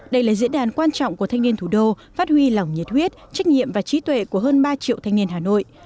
đây là diễn đàn quan trọng của thanh niên thủ đô phát huy lòng nhiệt huyết trách nhiệm và trí tuệ của hơn ba triệu thanh niên hà nội